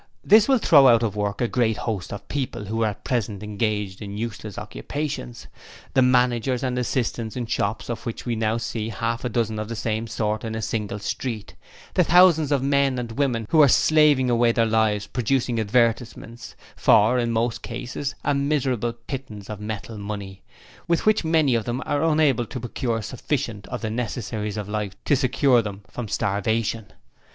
This will throw out of work a great host of people who are at present engaged in useless occupations; the managers and assistants in the shops of which we now see half a dozen of the same sort in a single street; the thousands of men and women who are slaving away their lives producing advertisements, for, in most cases, a miserable pittance of metal money, with which many of them are unable to procure sufficient of the necessaries of life to secure them from starvation.